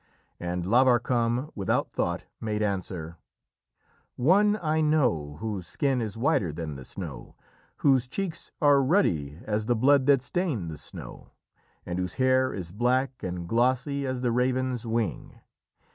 And Lavarcam, without thought, made answer: "One I know whose skin is whiter than the snow, whose cheeks are ruddy as the blood that stained the snow, and whose hair is black and glossy as the raven's wing.